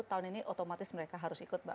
tahun ini otomatis mereka harus ikut mbak